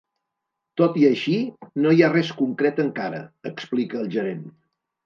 Tot i així, no hi ha res concret encara, explica el gerent.